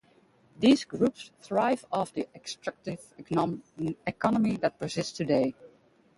These groups thrive off of the extractive economy that persists today.